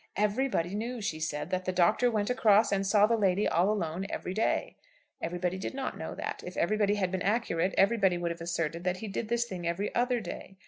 Everybody knew, she said, that the Doctor went across, and saw the lady all alone, every day. Everybody did not know that. If everybody had been accurate, everybody would have asserted that he did this thing every other day.